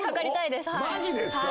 マジですか？